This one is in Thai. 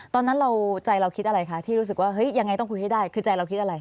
ตอนนั้นเราใจเราคิดอะไรคะที่รู้สึกว่าเฮ้ยยังไงต้องคุยให้ได้คือใจเราคิดอะไร